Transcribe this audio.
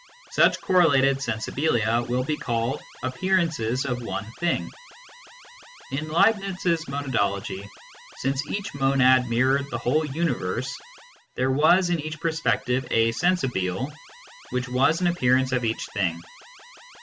Such correlated " sensibilia " will be called " appearances of one thing." In Leibniz s monadology, since each monad mirrored the whole universe, there was in each perspective a " sensibile " which was an appear ance of each thing.